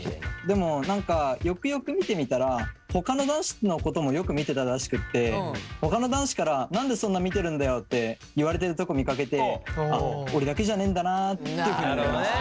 でも何かよくよく見てみたらほかの男子のこともよく見てたらしくってほかの男子から「なんでそんな見てるんだよ」って言われてるとこ見かけてあっ俺だけじゃねえんだなっていうふうに思いました。